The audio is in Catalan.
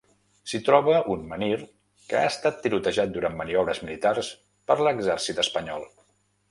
S'hi troba un menhir que ha estat tirotejat durant maniobres militars per l'exèrcit espanyol.